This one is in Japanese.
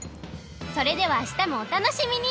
それではあしたもお楽しみに！